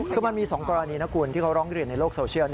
คือมันมี๒กรณีนะคุณที่เขาร้องเรียนในโลกโซเชียล